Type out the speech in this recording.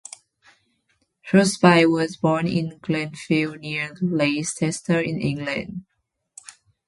Throsby was born in Glenfield near Leicester in England.